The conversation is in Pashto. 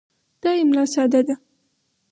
دا املا ساده ده.